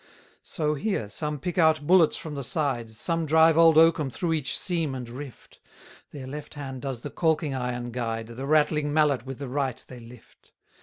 146 So here some pick out bullets from the sides, Some drive old oakum through each seam and rift: Their left hand does the calking iron guide, The rattling mallet with the right they lift.